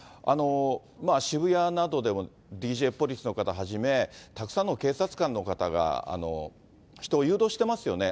渋谷などでもＤＪポリスの方はじめ、たくさんの警察官の方が人を誘導してますよね。